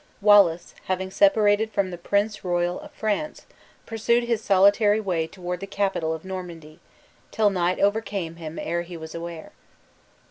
Wallace, having separated from the Prince Royal of France, pursued his solitary way toward the capital of Normandy, till night overtook him ere he was aware.